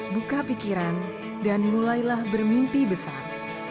buka pikiran dan mulailah bermimpi besar